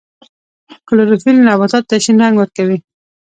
کلوروفیل نباتاتو ته شین رنګ ورکوي